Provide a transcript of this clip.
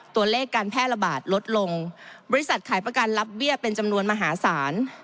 ตัวเลขการแพร่ระบาดลดลงบริษัทขายประกันรับเบี้ยเป็นจำนวนมหาศาล